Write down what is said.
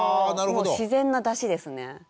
もう自然なだしですね。